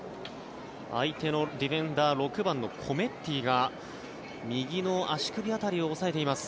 相手のディフェンダー６番のコメッティが右の足首辺りを押さえています。